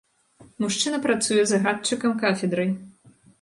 Мужчына працуе загадчыкам кафедрай.